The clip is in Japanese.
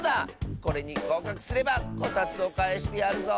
これにごうかくすればこたつをかえしてやるぞ！